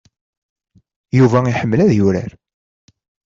Yuba iḥemmel ad yurar.